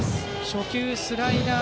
初球はスライダー。